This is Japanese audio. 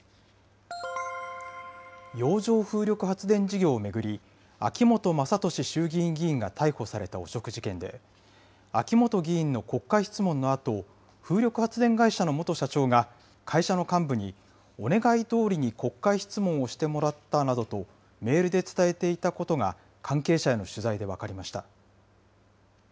洋上風力発電事業を巡り、秋本真利衆議院議員が逮捕された汚職事件で、秋本議員の国会質問のあと、風力発電会社の元社長が、会社の幹部にお願いどおりに国会質問をしてもらったなどと、メールで伝えていたことが、関係者への取材で分かりました。